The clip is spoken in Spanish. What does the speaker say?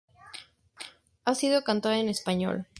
Ha sido cantada en español.